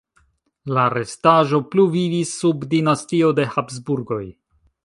La restaĵo pluvivis sub dinastio de Habsburgoj.